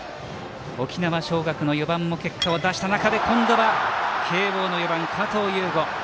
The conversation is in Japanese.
沖縄尚学の４番も結果を出した中で今度は慶応の４番、加藤右悟。